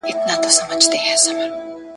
چي د زرکي پر دانه باندي نظر سو `